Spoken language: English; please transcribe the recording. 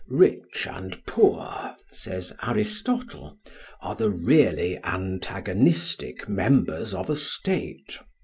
"Rich and poor," says Aristotle, "are the really antagonistic members of a state.